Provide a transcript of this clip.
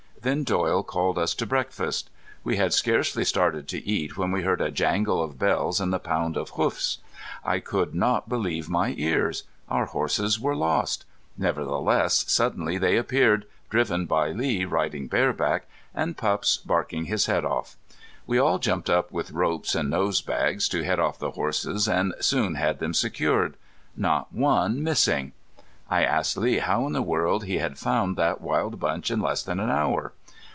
Then Doyle called us to breakfast. We had scarcely started to eat when we heard a jangle of bells and the pound of hoofs. I could not believe my ears. Our horses were lost. Nevertheless suddenly they appeared, driven by Lee riding bareback, and Pups barking his head off. We all jumped up with ropes and nose bags to head off the horses, and soon had them secured. Not one missing! I asked Lee how in the world he had found that wild bunch in less than an hour.